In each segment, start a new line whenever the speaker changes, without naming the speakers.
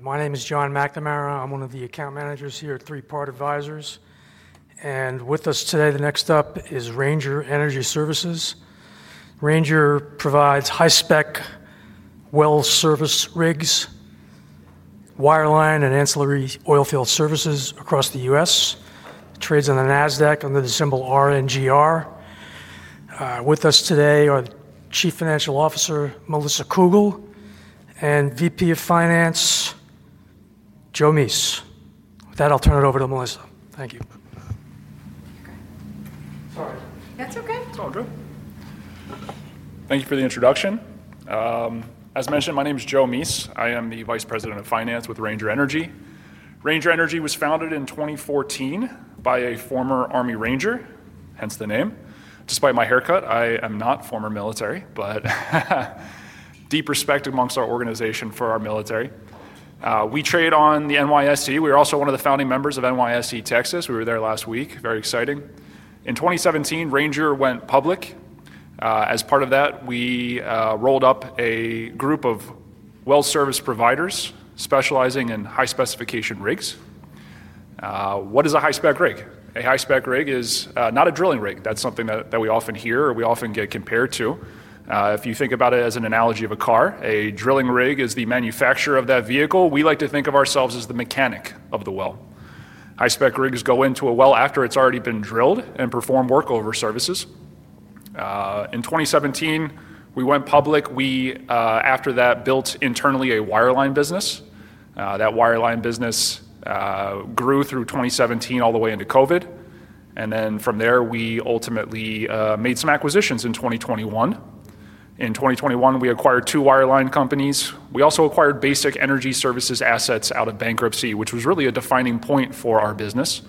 My name is John McNamara. I'm one of the account managers here at Three Part Advisors. With us today, the next up is Ranger Energy Services. Ranger provides high-spec well service rigs, wireline, and ancillary oilfield services across the U.S. Trades on the NASDAQ under the symbol RNGR. With us today are Chief Financial Officer Melissa Cougle and Vice President of Finance Joe Mease. With that, I'll turn it over to Melissa. Thank you.
That's okay.
So, Joe. Thank you for the introduction. As mentioned, my name is Joe Mease. I am the Vice President of Finance with Ranger Energy Services. Ranger Energy Services was founded in 2014 by a former Army Ranger, hence the name. Despite my haircut, I am not a former military, but deep respect amongst our organization for our military. We trade on the NYSE. We are also one of the founding members of NYSE Texas. We were there last week. Very exciting. In 2017, Ranger went public. As part of that, we rolled up a group of well service providers specializing in high specification rigs. What is a high spec rig? A high spec rig is not a drilling rig. That's something that we often hear or we often get compared to. If you think about it as an analogy of a car, a drilling rig is the manufacturer of that vehicle. We like to think of ourselves as the mechanic of the well. High spec rigs go into a well after it's already been drilled and perform workover services. In 2017, we went public. After that, we built internally a wireline business. That wireline business grew through 2017 all the way into COVID. From there, we ultimately made some acquisitions in 2021. In 2021, we acquired two wireline companies. We also acquired Basic Energy Services assets out of bankruptcy, which was really a defining point for our business.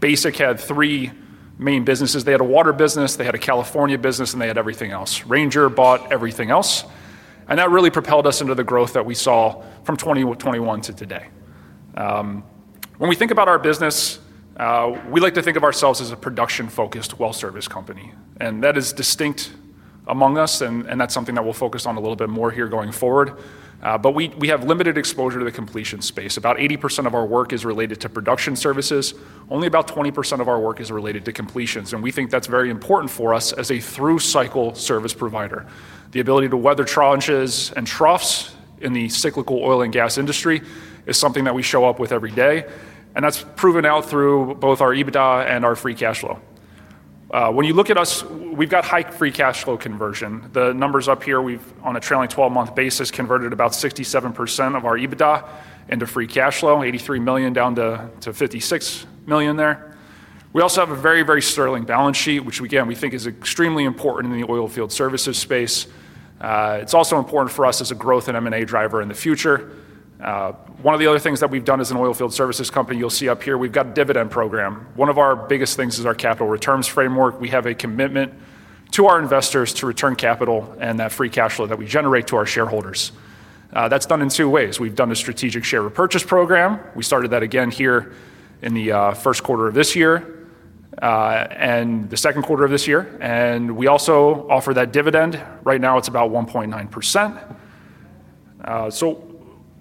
Basic had three main businesses. They had a water business, they had a California business, and they had everything else. Ranger bought everything else. That really propelled us into the growth that we saw from 2021 to today. When we think about our business, we like to think of ourselves as a production-focused well service company. That is distinct among us, and that's something that we'll focus on a little bit more here going forward. We have limited exposure to the completion space. About 80% of our work is related to production services. Only about 20% of our work is related to completions. We think that's very important for us as a through-cycle service provider. The ability to weather tranches and troughs in the cyclical oil and gas industry is something that we show up with every day. That's proven out through both our EBITDA and our free cash flow. When you look at us, we've got high free cash flow conversion. The numbers up here, we've, on a trailing 12-month basis, converted about 67% of our EBITDA into free cash flow, $83 million down to $56 million there. We also have a very, very sterling balance sheet, which, again, we think is extremely important in the oilfield services space. It's also important for us as a growth and M&A driver in the future. One of the other things that we've done as an oilfield services company, you'll see up here, we've got a dividend program. One of our biggest things is our capital returns framework. We have a commitment to our investors to return capital and that free cash flow that we generate to our shareholders. That's done in two ways. We've done a strategic share repurchase program. We started that again here in the first quarter of this year and the second quarter of this year. We also offer that dividend. Right now, it's about 1.9%.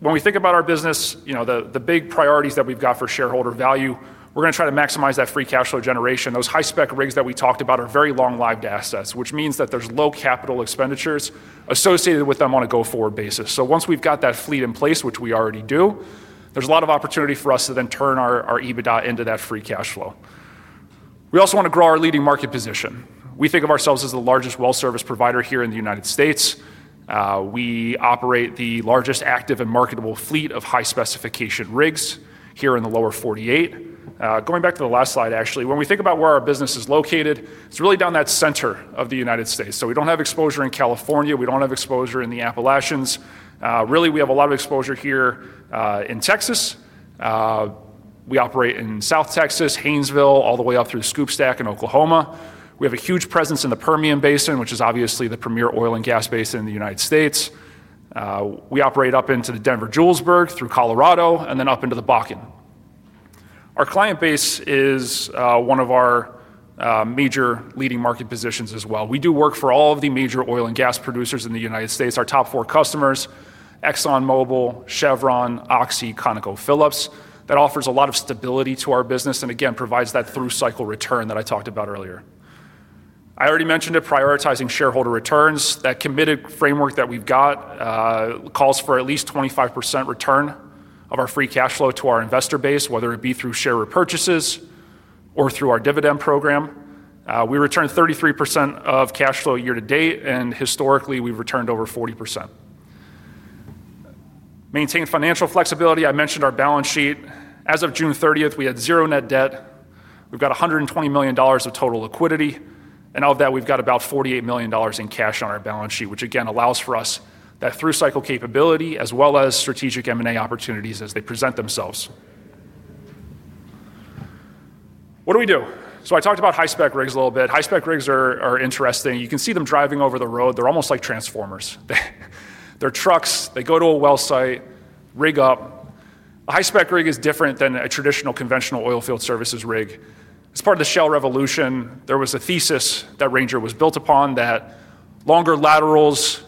When we think about our business, you know, the big priorities that we've got for shareholder value, we're going to try to maximize that free cash flow generation. Those high-spec rigs that we talked about are very long-lived assets, which means that there's low capital expenditures associated with them on a go-forward basis. Once we've got that fleet in place, which we already do, there's a lot of opportunity for us to then turn our EBITDA into that free cash flow. We also want to grow our leading market position. We think of ourselves as the largest well service provider here in the United States. We operate the largest active and marketable fleet of high specification rigs here in the lower 48. Going back to the last slide, actually, when we think about where our business is located, it's really down that center of the United States. We don't have exposure in California. We don't have exposure in the Appalachians. Really, we have a lot of exposure here in Texas. We operate in South Texas, Haynesville, all the way up through SCOOP/STACK in Oklahoma. We have a huge presence in the Permian Basin, which is obviously the premier oil and gas basin in the United States. We operate up into the Denver-Julesburg through Colorado and then up into the Bakken. Our client base is one of our major leading market positions as well. We do work for all of the major oil and gas producers in the United States. Our top four customers: ExxonMobil, Chevron, Oxy, ConocoPhillips. That offers a lot of stability to our business and, again, provides that through-cycle return that I talked about earlier. I already mentioned it, prioritizing shareholder returns. That committed framework that we've got calls for at least 25% return of our free cash flow to our investor base, whether it be through share repurchases or through our dividend program. We return 33% of cash flow year to date, and historically, we've returned over 40%. Maintaining financial flexibility, I mentioned our balance sheet. As of June 30, we had zero net debt. We've got $120 million of total liquidity. Of that, we've got about $48 million in cash on our balance sheet, which, again, allows for us that through-cycle capability as well as strategic M&A opportunities as they present themselves. What do we do? I talked about high-spec rigs a little bit. High-spec rigs are interesting. You can see them driving over the road. They're almost like Transformers. They're trucks. They go to a well site, rig up. A high-spec rig is different than a traditional conventional oilfield services rig. As part of the shale revolution, there was a thesis that Ranger Energy Services was built upon that longer laterals,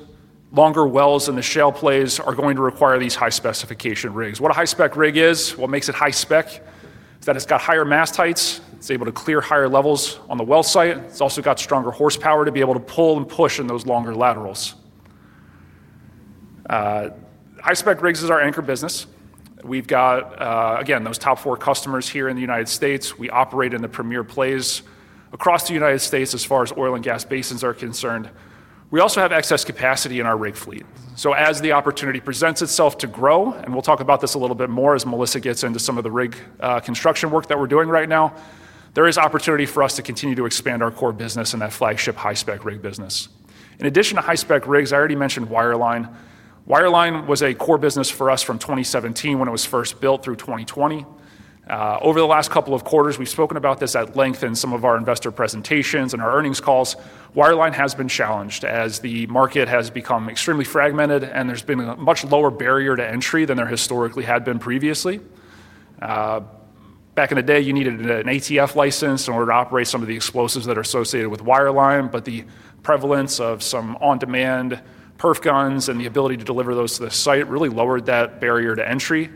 longer wells in the shale plays are going to require these high-specification rigs. What a high-spec rig is, what makes it high-spec, is that it's got higher mast heights. It's able to clear higher levels on the well site. It's also got stronger horsepower to be able to pull and push in those longer laterals. High-spec rigs is our anchor business. We've got, again, those top four customers here in the United States. We operate in the premier plays across the United States as far as oil and gas basins are concerned. We also have excess capacity in our rig fleet. As the opportunity presents itself to grow, and we'll talk about this a little bit more as Melissa gets into some of the rig construction work that we're doing right now, there is opportunity for us to continue to expand our core business and that flagship high-spec rig business. In addition to high-spec rigs, I already mentioned wireline. Wireline was a core business for us from 2017 when it was first built through 2020. Over the last couple of quarters, we've spoken about this at length in some of our investor presentations and our earnings calls. Wireline has been challenged as the market has become extremely fragmented and there's been a much lower barrier to entry than there historically had been previously. Back in the day, you needed an ATF license in order to operate some of the explosives that are associated with Wireline Services, but the prevalence of some on-demand perf guns and the ability to deliver those to the site really lowered that barrier to entry.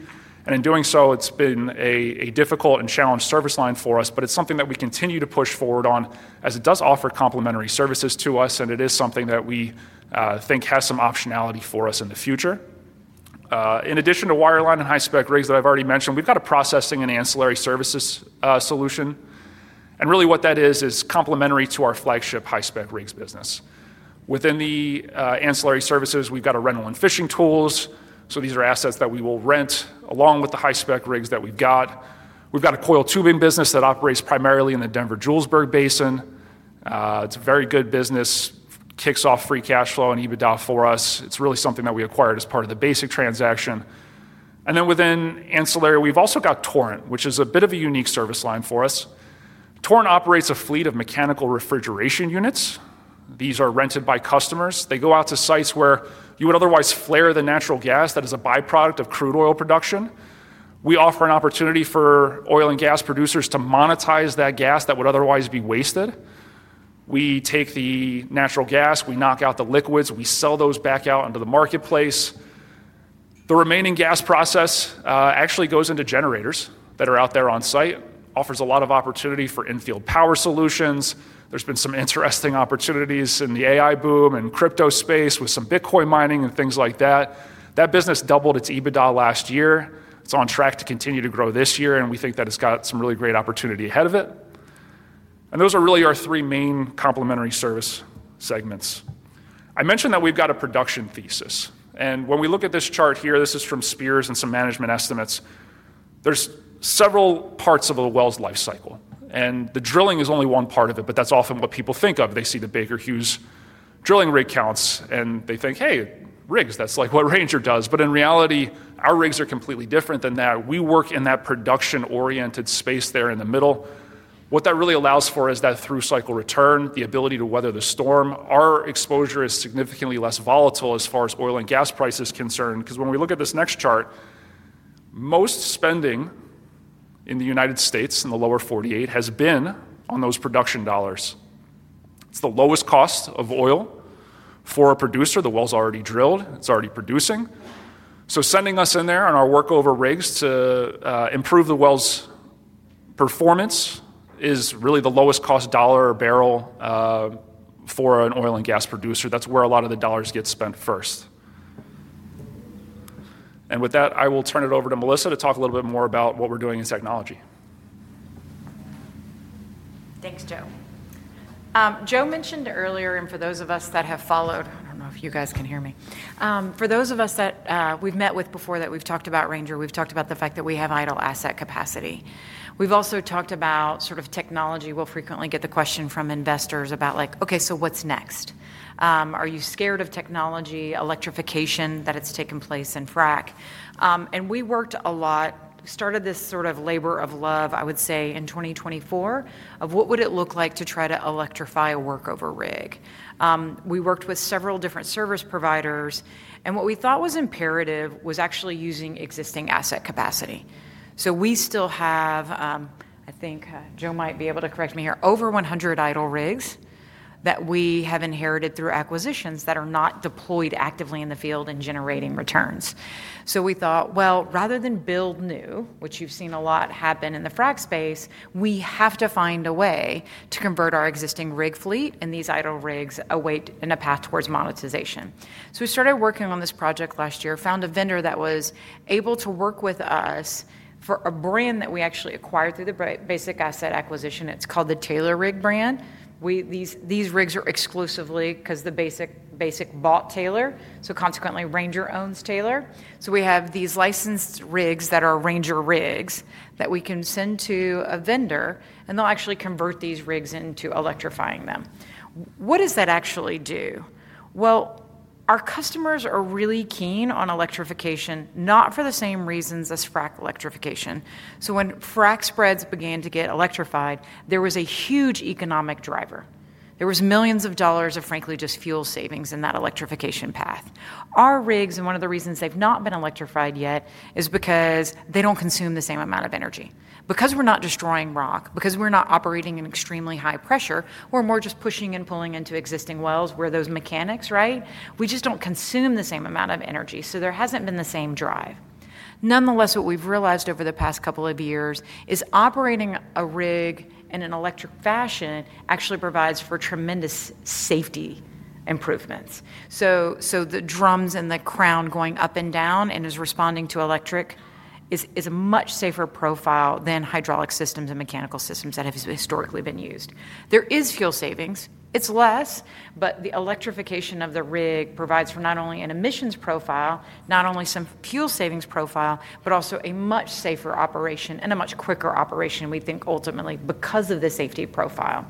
In doing so, it's been a difficult and challenged service line for us, but it's something that we continue to push forward on as it does offer complementary services to us and it is something that we think has some optionality for us in the future. In addition to Wireline Services and High Specification Rigs that I've already mentioned, we've got a processing and Ancillary Services solution. What that is, is complementary to our flagship High Specification Rigs business. Within the Ancillary Services, we've got rental and fishing tools. These are assets that we will rent along with the High Specification Rigs that we've got. We've got a Coiled Tubing Services business that operates primarily in the Denver-Julesburg basin. It's a very good business, kicks off free cash flow and EBITDA for us. It's really something that we acquired as part of the Basic transaction. Within Ancillary Services, we've also got Torrent gas processing, which is a bit of a unique service line for us. Torrent operates a fleet of mechanical refrigeration units. These are rented by customers. They go out to sites where you would otherwise flare the natural gas that is a byproduct of crude oil production. We offer an opportunity for oil and gas producers to monetize that gas that would otherwise be wasted. We take the natural gas, we knock out the liquids, we sell those back out into the marketplace. The remaining gas process actually goes into generators that are out there on site, offers a lot of opportunity for infield power solutions. There's been some interesting opportunities in the AI boom and crypto space with some Bitcoin mining and things like that. That business doubled its EBITDA last year. It's on track to continue to grow this year, and we think that it's got some really great opportunity ahead of it. Those are really our three main complementary service segments. I mentioned that we've got a production thesis. When we look at this chart here, this is from Spears and some management estimates. There are several parts of a well's life cycle, and the drilling is only one part of it, but that's often what people think of. They see the Baker Hughes drilling rig counts and they think, "Hey, rigs, that's like what Ranger does." In reality, our rigs are completely different than that. We work in that production-oriented space there in the middle. What that really allows for is that through-cycle return, the ability to weather the storm. Our exposure is significantly less volatile as far as oil and gas prices are concerned. When we look at this next chart, most spending in the United States in the lower 48 has been on those production dollars. It's the lowest cost of oil for a producer. The well's already drilled. It's already producing. Sending us in there on our workover rigs to improve the well's performance is really the lowest cost dollar or barrel for an oil and gas producer. That's where a lot of the dollars get spent first. With that, I will turn it over to Melissa to talk a little bit more about what we're doing in technology.
Thanks, Joe. Joe mentioned earlier, and for those of us that have followed, I don't know if you guys can hear me. For those of us that we've met with before that we've talked about Ranger, we've talked about the fact that we have idle asset capacity. We've also talked about sort of technology. We'll frequently get the question from investors about like, "Okay, so what's next? Are you scared of technology, electrification, that it's taken place in frac?" We worked a lot, started this sort of labor of love, I would say, in 2024 of what would it look like to try to electrify a workover rig. We worked with several different service providers. What we thought was imperative was actually using existing asset capacity. We still have, I think Joe might be able to correct me here, over 100 idle rigs that we have inherited through acquisitions that are not deployed actively in the field and generating returns. We thought, rather than build new, which you've seen a lot happen in the frac space, we have to find a way to convert our existing rig fleet and these idle rigs await in a path towards monetization. We started working on this project last year, found a vendor that was able to work with us for a brand that we actually acquired through the Basic Asset Acquisition. It's called the Taylor Rig brand. These rigs are exclusively because the Basic bought Taylor. Consequently, Ranger owns Taylor. We have these licensed rigs that are Ranger rigs that we can send to a vendor, and they'll actually convert these rigs into electrifying them. What does that actually do? Our customers are really keen on electrification, not for the same reasons as frac electrification. When frac spreads began to get electrified, there was a huge economic driver. There were millions of dollars of, frankly, just fuel savings in that electrification path. Our rigs, and one of the reasons they've not been electrified yet, is because they don't consume the same amount of energy. Because we're not destroying rock, because we're not operating in extremely high pressure, we're more just pushing and pulling into existing wells where those mechanics, right? We just don't consume the same amount of energy. There hasn't been the same drive. Nonetheless, what we've realized over the past couple of years is operating a rig in an electric fashion actually provides for tremendous safety improvements. The drums and the crown going up and down and is responding to electric is a much safer profile than hydraulic systems and mechanical systems that have historically been used. There is fuel savings. It's less, but the electrification of the rig provides for not only an emissions profile, not only some fuel savings profile, but also a much safer operation and a much quicker operation. We think ultimately because of the safety profile.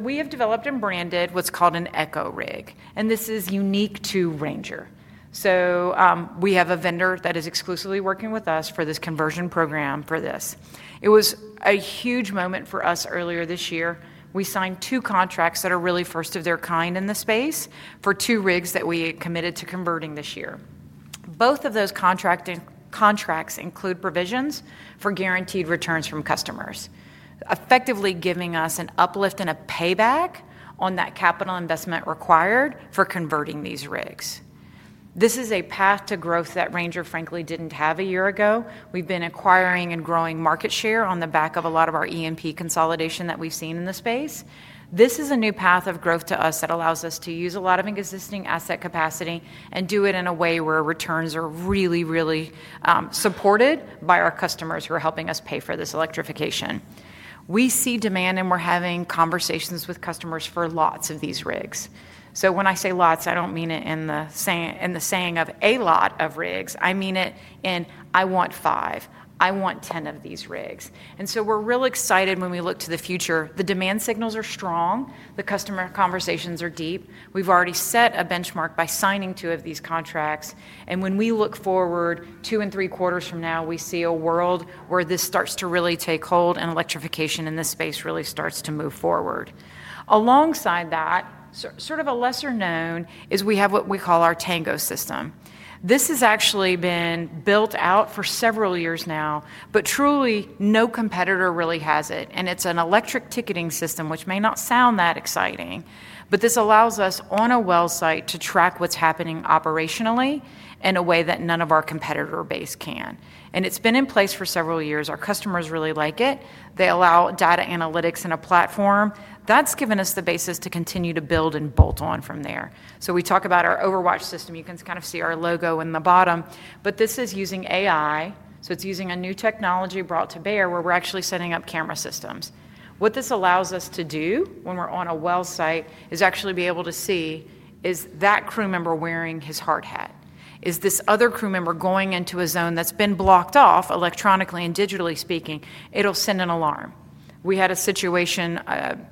We have developed and branded what's called an Echo rig. This is unique to Ranger. We have a vendor that is exclusively working with us for this conversion program for this. It was a huge moment for us earlier this year. We signed two contracts that are really first of their kind in the space for two rigs that we committed to converting this year. Both of those contracts include provisions for guaranteed returns from customers, effectively giving us an uplift and a payback on that capital investment required for converting these rigs. This is a path to growth that Ranger, frankly, didn't have a year ago. We've been acquiring and growing market share on the back of a lot of our E&P consolidation that we've seen in the space. This is a new path of growth to us that allows us to use a lot of existing asset capacity and do it in a way where returns are really, really supported by our customers who are helping us pay for this electrification. We see demand, and we're having conversations with customers for lots of these rigs. When I say lots, I don't mean it in the saying of a lot of rigs. I mean it in I want five. I want 10 of these rigs. We're really excited when we look to the future. The demand signals are strong. The customer conversations are deep. We've already set a benchmark by signing two of these contracts. When we look forward two and three quarters from now, we see a world where this starts to really take hold and electrification in this space really starts to move forward. Alongside that, sort of a lesser known is we have what we call our Tango system. This has actually been built out for several years now, but truly no competitor really has it. It's an electric ticketing system, which may not sound that exciting, but this allows us on a well site to track what's happening operationally in a way that none of our competitor base can. It's been in place for several years. Our customers really like it. They allow data analytics in a platform. That's given us the basis to continue to build and bolt on from there. We talk about our Overwatch system. You can kind of see our logo in the bottom. This is using AI. It's using a new technology brought to bear where we're actually setting up camera systems. What this allows us to do when we're on a well site is actually be able to see, is that crew member wearing his hard hat? Is this other crew member going into a zone that's been blocked off electronically and digitally speaking? It'll send an alarm. We had a situation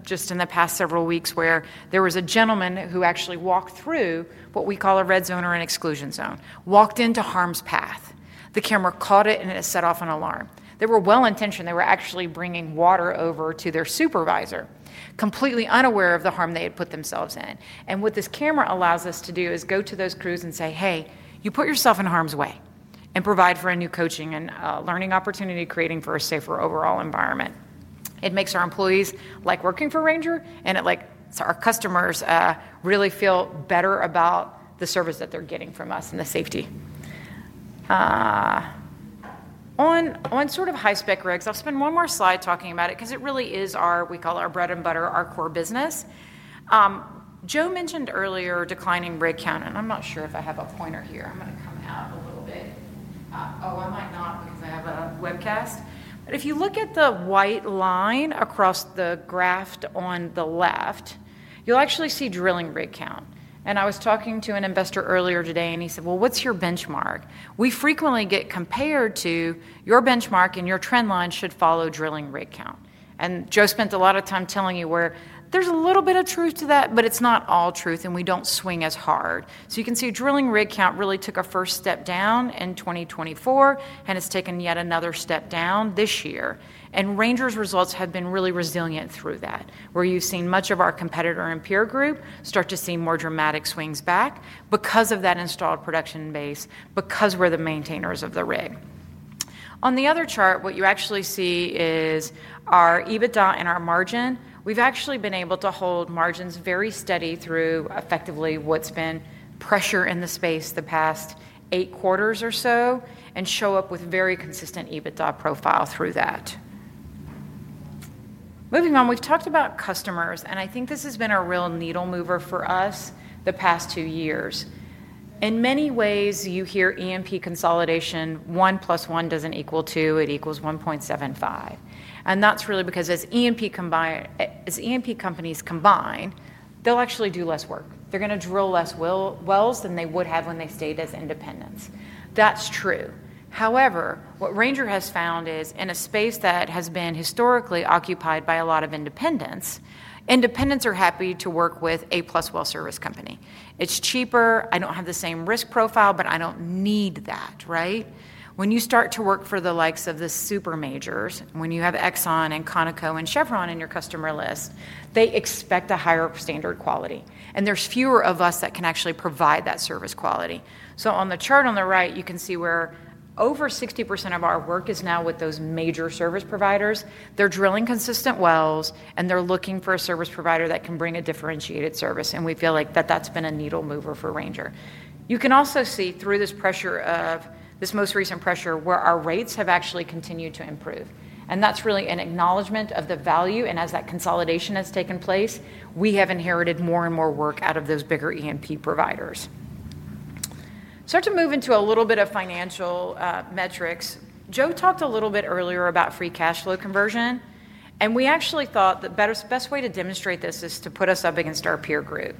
just in the past several weeks where there was a gentleman who actually walked through what we call a red zone or an exclusion zone, walked into harm's path. The camera caught it, and it set off an alarm. They were well-intentioned. They were actually bringing water over to their supervisor, completely unaware of the harm they had put themselves in. What this camera allows us to do is go to those crews and say, "Hey, you put yourself in harm's way," and provide for a new coaching and learning opportunity, creating a safer overall environment. It makes our employees like working for Ranger, and it makes our customers really feel better about the service that they're getting from us and the safety. On sort of high-spec rigs, I'll spend one more slide talking about it because it really is our, we call our bread and butter, our core business. Joe mentioned earlier declining rig count. I'm not sure if I have a pointer here. I'm going to come out a little bit. Oh, I might not because I have a webcast. If you look at the white line across the graph on the left, you'll actually see drilling rig count. I was talking to an investor earlier today, and he said, "What's your benchmark?" We frequently get compared to your benchmark, and your trend line should follow drilling rig count. Joe spent a lot of time telling you where there's a little bit of truth to that, but it's not all truth, and we don't swing as hard. You can see drilling rig count really took a first step down in 2024, and it's taken yet another step down this year. Ranger's results have been really resilient through that, where you've seen much of our competitor and peer group start to see more dramatic swings back because of that installed production base, because we're the maintainers of the rig. On the other chart, what you actually see is our EBITDA and our margin. We've actually been able to hold margins very steady through effectively what's been pressure in the space the past eight quarters or so and show up with very consistent EBITDA profiles through that. Moving on, we've talked about customers, and I think this has been a real needle mover for us the past two years. In many ways, you hear E&P consolidation, one plus one doesn't equal two. It equals 1.75. That's really because as E&P companies combine, they'll actually do less work. They're going to drill less wells than they would have when they stayed as independents. That's true. However, what Ranger has found is in a space that has been historically occupied by a lot of independents, independents are happy to work with a plus well service company. It's cheaper. I don't have the same risk profile, but I don't need that, right? When you start to work for the likes of the super majors, when you have ExxonMobil and ConocoPhillips and Chevron in your customer list, they expect a higher standard quality. There's fewer of us that can actually provide that service quality. On the chart on the right, you can see where over 60% of our work is now with those major service providers. They're drilling consistent wells, and they're looking for a service provider that can bring a differentiated service. We feel like that that's been a needle mover for Ranger. You can also see through this pressure of this most recent pressure where our rates have actually continued to improve. That's really an acknowledgment of the value. As that consolidation has taken place, we have inherited more and more work out of those bigger E&P providers. To move into a little bit of financial metrics, Joe talked a little bit earlier about free cash flow conversion. We actually thought the best way to demonstrate this is to put us up against our peer group.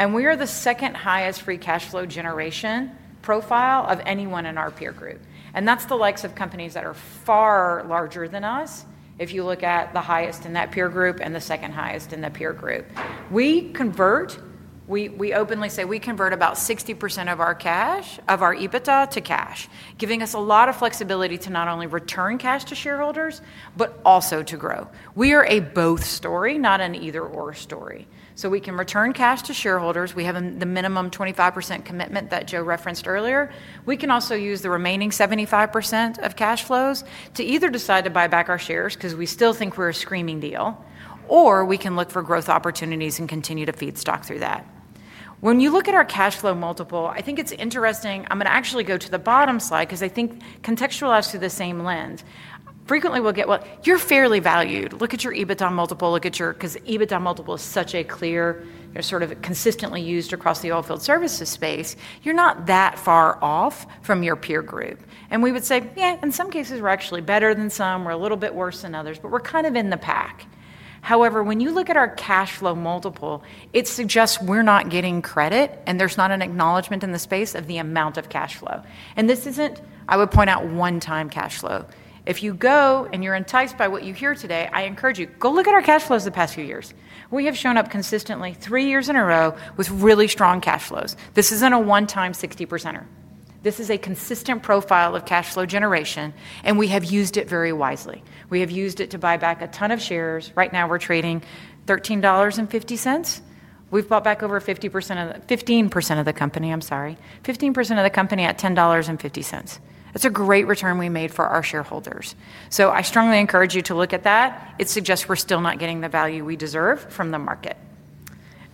We are the second highest free cash flow generation profile of anyone in our peer group. That's the likes of companies that are far larger than us if you look at the highest in that peer group and the second highest in the peer group. We convert, we openly say we convert about 60% of our cash, of our EBITDA to cash, giving us a lot of flexibility to not only return cash to shareholders, but also to grow. We are a both story, not an either/or story. We can return cash to shareholders. We have the minimum 25% commitment that Joe referenced earlier. We can also use the remaining 75% of cash flows to either decide to buy back our shares because we still think we're a screaming deal, or we can look for growth opportunities and continue to feed stock through that. When you look at our cash flow multiple, I think it's interesting. I'm going to actually go to the bottom slide because I think contextualized through the same lens. Frequently, we'll get, "Well, you're fairly valued. Look at your EBITDA multiple." Because EBITDA multiple is such a clear, sort of consistently used across the oilfield services space, you're not that far off from your peer group. We would say, "Yeah, in some cases, we're actually better than some. We're a little bit worse than others, but we're kind of in the pack." However, when you look at our cash flow multiple, it suggests we're not getting credit, and there's not an acknowledgment in the space of the amount of cash flow. This isn't, I would point out, one-time cash flow. If you go and you're enticed by what you hear today, I encourage you, go look at our cash flows the past few years. We have shown up consistently three years in a row with really strong cash flows. This isn't a one-time 60%er. This is a consistent profile of cash flow generation, and we have used it very wisely. We have used it to buy back a ton of shares. Right now, we're trading $13.50. We've bought back over 15% of the company, I'm sorry, 15% of the company at $10.50. That's a great return we made for our shareholders. I strongly encourage you to look at that. It suggests we're still not getting the value we deserve from the market.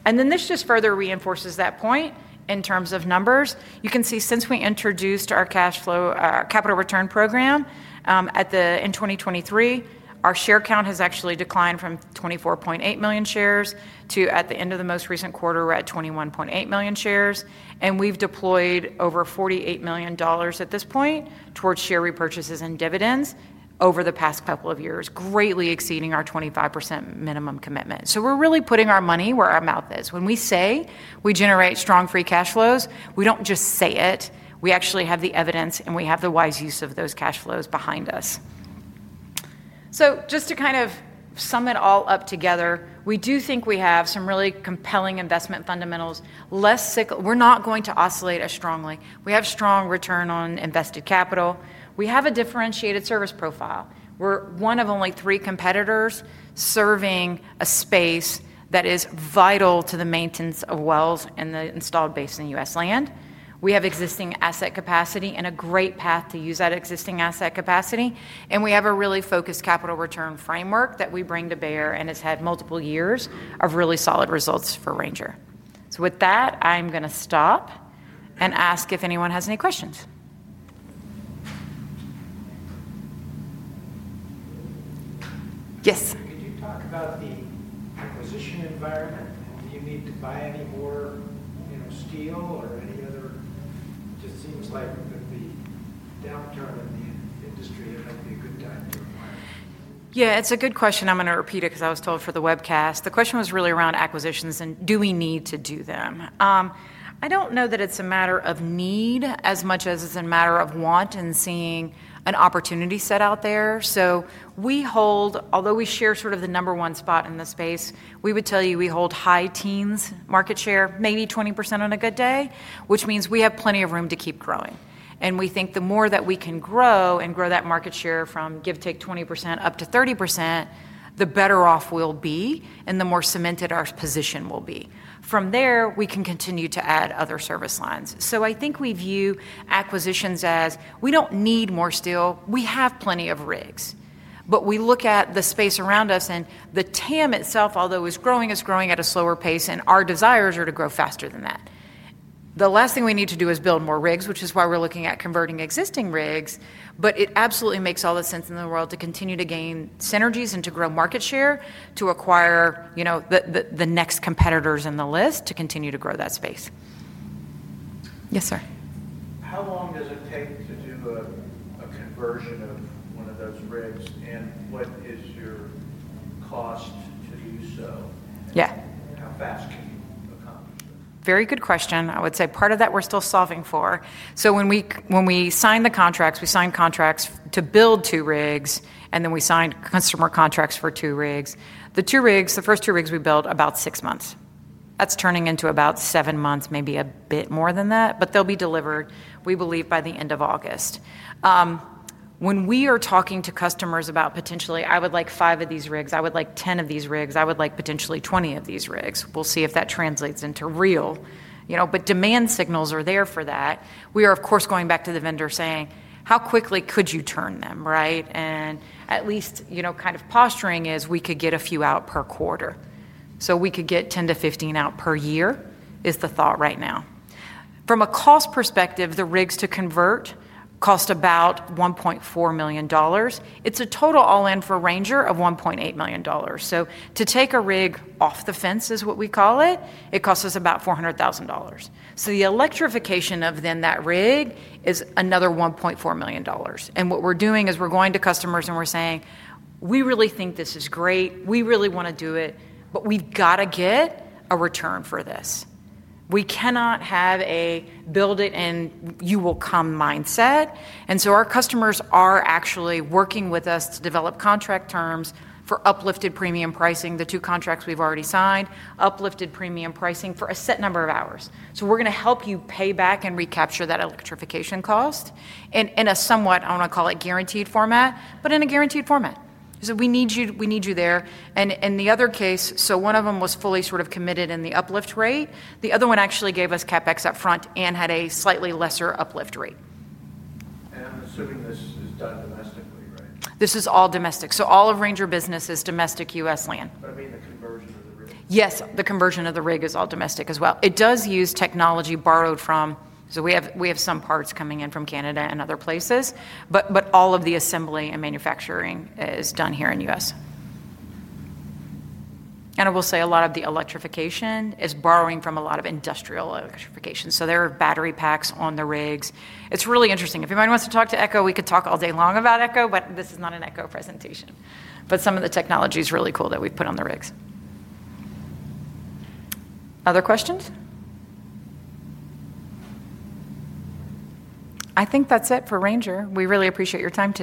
This just further reinforces that point in terms of numbers. You can see since we introduced our cash flow capital return program in 2023, our share count has actually declined from 24.8 million shares to, at the end of the most recent quarter, we're at 21.8 million shares. We've deployed over $48 million at this point towards share repurchases and dividends over the past couple of years, greatly exceeding our 25% minimum commitment. We're really putting our money where our mouth is. When we say we generate strong free cash flows, we don't just say it. We actually have the evidence, and we have the wise use of those cash flows behind us. Just to kind of sum it all up together, we do think we have some really compelling investment fundamentals. We're not going to oscillate as strongly. We have strong return on invested capital. We have a differentiated service profile. We're one of only three competitors serving a space that is vital to the maintenance of wells and the installed base in the U.S. land. We have existing asset capacity and a great path to use that existing asset capacity. We have a really focused capital return framework that we bring to bear and has had multiple years of really solid results for Ranger. With that, I'm going to stop and ask if anyone has any questions. Yes. Could you talk about the acquisition environment? Do you need to buy any more, you know, steel or any other? It just seems like the downturn in the. Yeah, it's a good question. I'm going to repeat it because I was told for the webcast. The question was really around acquisitions and do we need to do them. I don't know that it's a matter of need as much as it's a matter of want and seeing an opportunity set out there. We hold, although we share sort of the number one spot in the space, we would tell you we hold high teens market share, maybe 20% on a good day, which means we have plenty of room to keep growing. We think the more that we can grow and grow that market share from, give or take, 20% up to 30%, the better off we'll be and the more cemented our position will be. From there, we can continue to add other service lines. I think we view acquisitions as we don't need more steel. We have plenty of rigs. We look at the space around us and the TAM itself, although it's growing, it's growing at a slower pace and our desires are to grow faster than that. The last thing we need to do is build more rigs, which is why we're looking at converting existing rigs. It absolutely makes all the sense in the world to continue to gain synergies and to grow market share, to acquire, you know, the next competitors in the list to continue to grow that space. Yes, sir. How long does it take to do a conversion of one of those rigs, and what is your cost? Yeah. Very good question. I would say part of that we're still solving for. When we signed the contracts, we signed contracts to build two rigs and then we signed customer contracts for two rigs. The first two rigs we built about six months. That's turning into about seven months, maybe a bit more than that, but they'll be delivered, we believe, by the end of August. When we are talking to customers about potentially, "I would like five of these rigs. I would like 10 of these rigs. I would like potentially 20 of these rigs." We'll see if that translates into real, you know, but demand signals are there for that. We are, of course, going back to the vendor saying, "How quickly could you turn them, right?" At least, you know, kind of posturing is we could get a few out per quarter. We could get 10-15 out per year is the thought right now. From a cost perspective, the rigs to convert cost about $1.4 million. It's a total all-in for Ranger of $1.8 million. To take a rig off the fence is what we call it. It costs us about $400,000. The electrification of then that rig is another $1.4 million. What we're doing is we're going to customers and we're saying, "We really think this is great. We really want to do it, but we've got to get a return for this. We cannot have a build it and you will come mindset." Our customers are actually working with us to develop contract terms for uplifted premium pricing. The two contracts we've already signed, uplifted premium pricing for a set number of hours. We're going to help you pay back and recapture that electrification cost in a somewhat, I want to call it guaranteed format, but in a guaranteed format. We need you there. In the other case, one of them was fully sort of committed in the uplift rate. The other one actually gave us CapEx upfront and had a slightly lesser uplift rate. This is all domestic. All of Ranger business is domestic U.S. land. Yes, the conversion of the rig is all domestic as well. It does use technology borrowed from, so we have some parts coming in from Canada and other places, but all of the assembly and manufacturing is done here in the U.S. I will say a lot of the electrification is borrowing from a lot of industrial electrification. There are battery packs on the rigs. It's really interesting. If anyone wants to talk to Echo, we could talk all day long about Echo, but this is not an Echo presentation. Some of the technology is really cool that we've put on the rigs. Other questions? I think that's it for Ranger. We really appreciate your time.